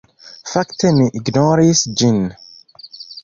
Fakte mi ignoris ĝin.